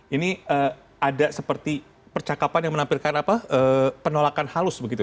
ini ada seperti percakapan yang menampilkan penolakan halus begitu